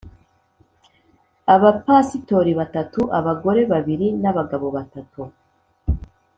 Abapasitori batatu abagore babiri n ‘abagabo batatu.